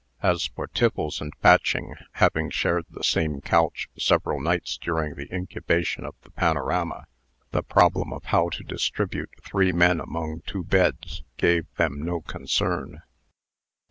As for Tiffles and Patching, having shared the same couch several nights during the incubation of the panorama, the problem of how to distribute three men among two beds gave them no concern.